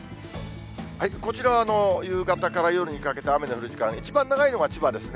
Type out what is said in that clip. こちらは夕方から夜にかけて雨の降る時間、一番長いのが千葉ですね。